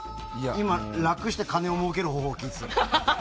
今、楽して金を儲ける方法聞いてた。